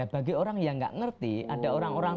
bagi orang yang ga ngerti adaera aroma